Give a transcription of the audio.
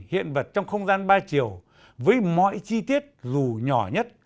hiện vật trong không gian ba chiều với mọi chi tiết dù nhỏ nhất